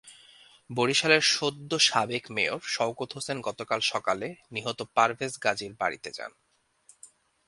বরিশালের সদ্য সাবেক মেয়র শওকত হোসেন গতকাল সকালে নিহত পারভেজ গাজীর বাড়িতে যান।